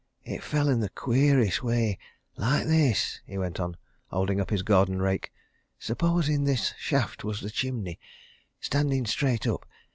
It fell in the queerest way like this," he went on, holding up his garden rake. "Supposing this shaft was the chimney standing straight up.